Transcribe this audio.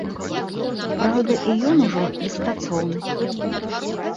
Праўда, і ён ужо беспрацоўны.